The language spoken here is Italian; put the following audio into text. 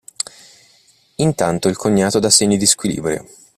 Intanto il cognato dà segni di squilibrio.